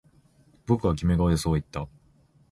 僕はキメ顔でそう言った